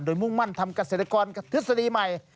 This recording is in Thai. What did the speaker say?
มุ่งมั่นทำเกษตรกรทฤษฎีใหม่